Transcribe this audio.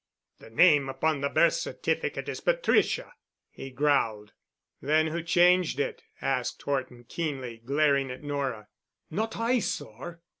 "The name upon the birth certificate is Patricia," he growled. "Then who changed it?" asked Horton keenly, glaring at Nora. "Not I, sor.